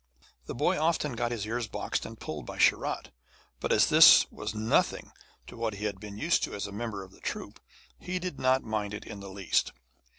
The boy often got his ears boxed and pulled by Sharat, but as this was nothing to what he had been used to as a member of the troupe, he did not mind it in the least.